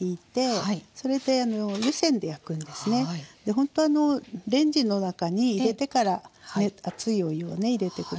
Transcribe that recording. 本当はレンジの中に入れてからね熱いお湯をね入れて下さい。